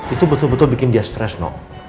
itu betul betul bikin dia stres noh